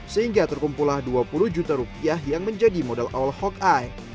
sehingga terkumpulah dua puluh juta rupiah yang menjadi modal all hawkeye